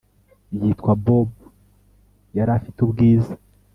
yitwa bob yari afite ubwiza